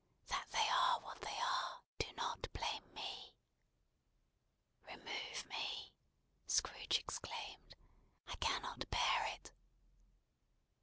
"That they are what they are, do not blame me!" "Remove me!" Scrooge exclaimed, "I cannot bear it!"